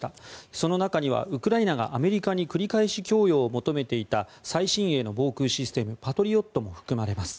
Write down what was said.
その中にはウクライナがアメリカに繰り返し供与を求めていた最新鋭の防空システムパトリオットも含まれます。